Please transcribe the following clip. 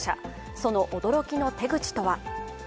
その驚きの手口とは。